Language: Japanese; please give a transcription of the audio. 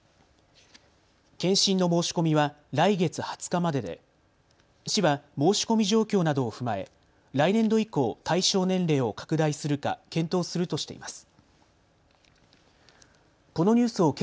検診の申し込みは来月２０日までで市は申し込み状況などを踏まえ来年度以降、対象年齢を拡大するか検討するとしています。